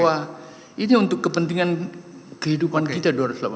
semua juga harus tahu bahwa ini untuk kepentingan kehidupan kita dora